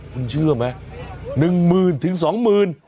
คุณเชื่อไหม๑หมื่นถึง๒หมื่น